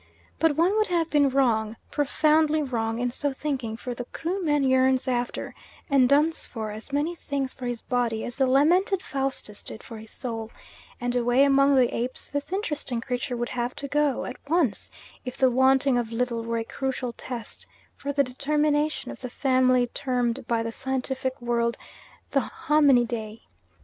But one would have been wrong, profoundly wrong, in so thinking, for the Kruman yearns after, and duns for, as many things for his body as the lamented Faustus did for his soul, and away among the apes this interesting creature would have to go, at once, if the wanting of little were a crucial test for the determination of the family termed by the scientific world the Hominidae.